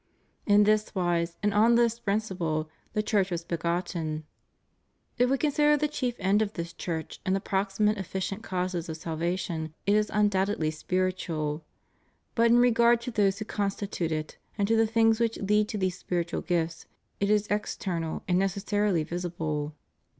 In this wise, and on this principle, the Church was begotten. If we consider the chief end of this Church and the proximate efficient causes of salvation, it is un doubtedly spiritual; but in regard to those who constitute it, and to the things which lead to these spiritual gifts, it is external and necessarily visible.